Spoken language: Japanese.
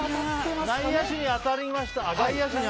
外野手に当たりましたね。